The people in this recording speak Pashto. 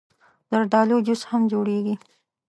زردالو جوس هم جوړېږي.